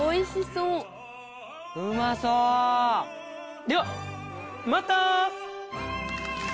「うまそう！」ではまた！